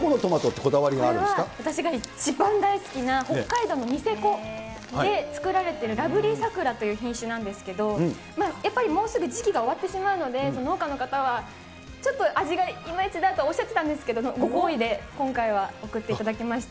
これは、私が一番大好きな、北海道のニセコで作られてる、ラブリーさくらという品種なんですけど、やっぱりもうすぐ時期が終わってしまうので、農家の方はちょっと味がいまいちだっておっしゃってたんですけれども、ご厚意で今回は送っていただきました。